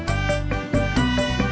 tati disuruh nyiram